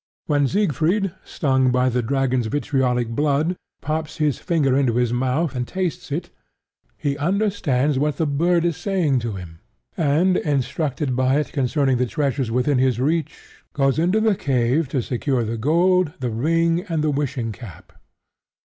When Siegfried, stung by the dragon's vitriolic blood, pops his finger into his mouth and tastes it, he understands what the bird is saying to him, and, instructed by it concerning the treasures within his reach, goes into the cave to secure the gold, the ring and the wishing cap.